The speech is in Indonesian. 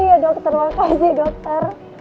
iya dokter wafat sih dokter